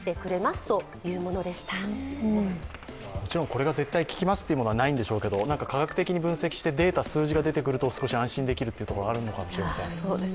これが絶対効きますというものはないんでしょうけど、科学的に分析して、データ、数字が出てくると少し安心できるのかもしれません。